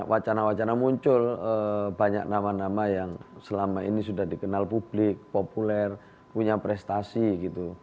wacana wacana muncul banyak nama nama yang selama ini sudah dikenal publik populer punya prestasi gitu